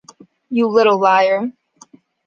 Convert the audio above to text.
You little liar!